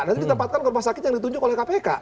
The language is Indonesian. nanti ditempatkan ke rumah sakit yang ditunjuk oleh kpk